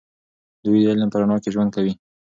دوی د علم په رڼا کې ژوند کوي.